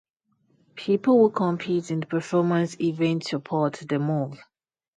People who compete in performance events support the move.